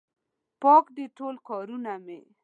پاک دي ټول کارونه مې